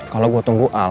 kalau gue tunggu al